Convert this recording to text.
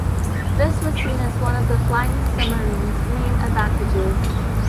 This was seen as one of the flying submarine's main advantages.